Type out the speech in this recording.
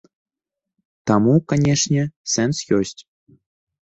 Таму, канечне, сэнс ёсць.